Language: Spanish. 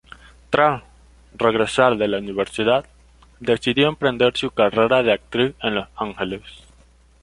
Tras regresar de la universidad, decidió emprender su carrera de actriz en Los Ángeles.